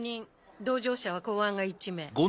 同乗者は公安が１名。